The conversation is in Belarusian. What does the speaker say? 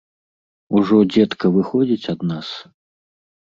Ужо дзедка выходзіць ад нас?